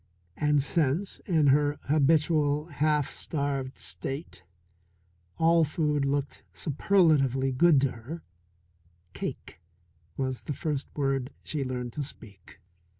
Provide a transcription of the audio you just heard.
And since, in her habitual half starved state, all food looked superlatively good to her, cake was the first word she learned to speak.